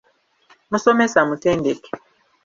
Musomesa mutendeke.